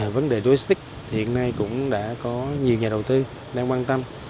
vấn đề đô thị hiện nay cũng đã có nhiều nhà đầu tư đang quan tâm